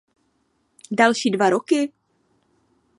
Další dva roky?